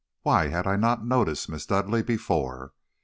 why had I not noticed Miss Dudleigh before!